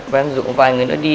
và em rủ vài người nữa đi